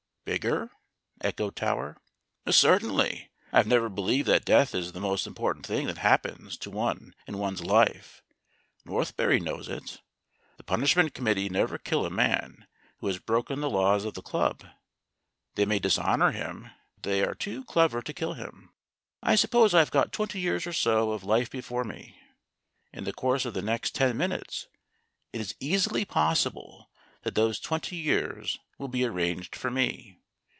"Bigger?" echoed Tower. "Certainly. I have never believed that death is the most important thing that happens to one in one's life. Northberry knows it. The Punishment Com mittee never kill a man who has broken the laws of the club; they may dishonor him, but they are too clever to kill him. I suppose I've got twenty years or so of life before me. In the course of the next ten minutes it is easily possible that those twenty years will be arranged for me.